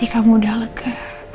hati kamu udah lega